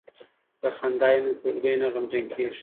که خندا وي نو ټولګی نه غمجن کیږي.